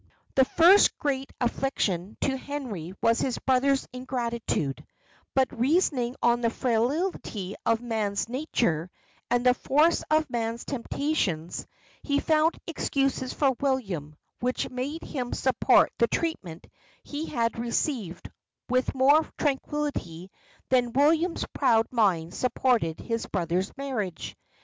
The first great affliction to Henry was his brother's ingratitude; but reasoning on the frailty of man's nature, and the force of man's temptations, he found excuses for William, which made him support the treatment he had received with more tranquillity than William's proud mind supported his brother's marriage.